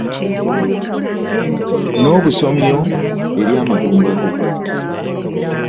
N'obusomyo eri amagumba go.